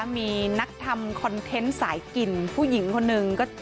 มีนักทำคอนเทนต์สายกินผู้หญิงคนหนึ่ง